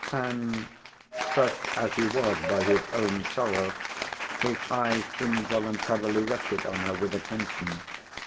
And, crushed as he was by his own sorrow, his eyes involuntarily rested on her with attention.